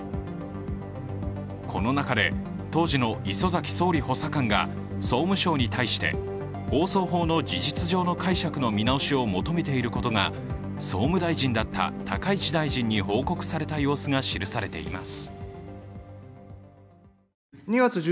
この中で、当時の礒崎総理補佐官が総務省に対して放送法の事実上の解釈の見直しを求めていることが総務大臣だった高市大臣に報告された様子が記されています。